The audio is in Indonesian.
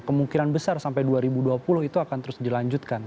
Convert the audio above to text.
kemungkinan besar sampai dua ribu dua puluh itu akan terus dilanjutkan